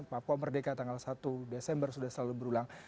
pemerdekan tanggal satu desember sudah selalu berulang